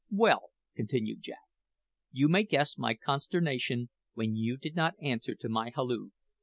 "Well," continued Jack, "you may guess my consternation when you did not answer to my halloo.